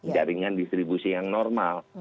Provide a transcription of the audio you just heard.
jaringan distribusi yang normal